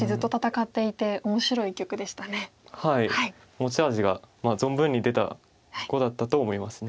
持ち味が存分に出た碁だったと思います。